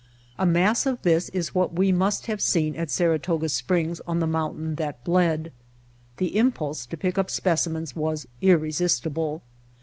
A mass of this is what we must have seen at Saratoga Springs on the mountain that bled. The impulse to pick up specimens was irresistible.